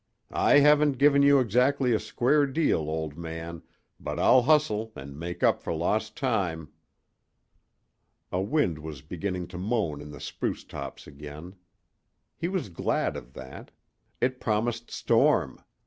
"I haven't given you exactly a square deal, old man, but I'll hustle and make up for lost time!" A wind was beginning to moan in the spruce tops again. He was glad of that. It promised storm.